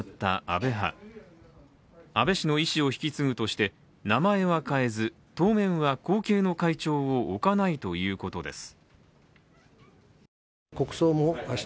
安倍氏の意志を引き継ぐとして、名前は変えず当面は後継の会長を置かないということです。